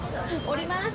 降ります。